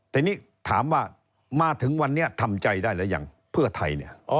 แต่นี่ถามว่ามาถึงวันนี้ทำใจได้หรือยังเพื่อไทยเนี่ย